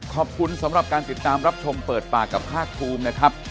ขอบคุณสำหรับการติดตามรับชมเปิดปากกับภาคภูมินะครับ